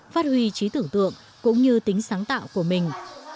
phát huy trí tưởng tượng cũng như tính sáng tạo của mình